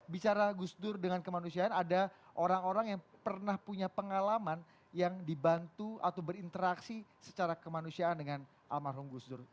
bicara gus dur dengan kemanusiaan ada orang orang yang pernah punya pengalaman yang dibantu atau berinteraksi secara kemanusiaan dengan almarhum gus dur